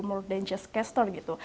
lebih dari hanya caster gitu